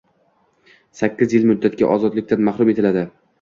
Sakkiz yil muddatga ozodlikdan mahrum etiladi.